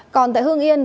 còn tại hương yên